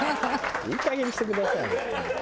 「いいかげんにしてください本当に」